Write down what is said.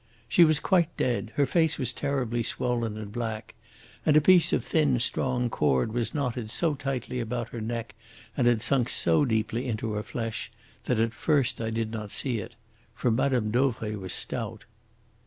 "She was quite dead. Her face was terribly swollen and black, and a piece of thin strong cord was knotted so tightly about her neck and had sunk so deeply into her flesh that at first I did not see it. For Mme. Dauvray was stout."